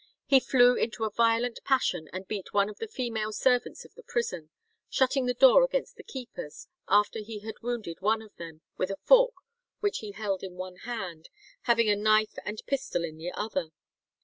He flew into a violent passion, and beat one of the female servants of the prison, shutting the door against the keepers, after he had wounded one of them with a fork which he held in one hand, having a knife and pistol in the other.